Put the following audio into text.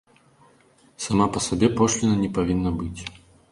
Сама па сабе пошліна не павінна быць.